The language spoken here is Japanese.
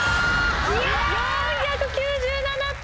４９７点。